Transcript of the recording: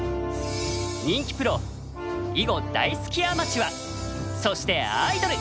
人気プロ囲碁大好きアマチュアそしてアイドル。